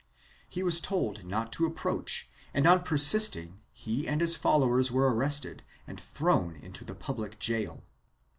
He was told not to approach and on persisting he and his followers were arrested and thrown into the public gaol.